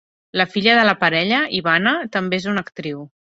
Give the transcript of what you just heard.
La filla de la parella, Ivana, també és una actriu.